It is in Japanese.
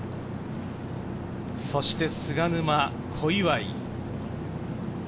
そして、菅沼、小祝。